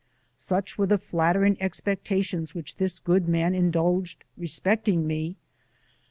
Such were the flattering expectations which this good man indulged respecting me.